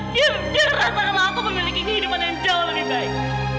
dia merasa kalau aku memiliki kehidupan yang jauh lebih baik